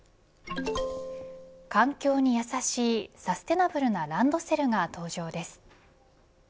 環境にやさしいサステナブルなランドセルが登場です。